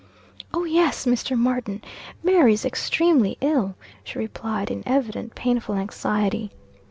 "Oh, yes, Mr. Martin, Mary is extremely ill," she replied, in evident painful anxiety.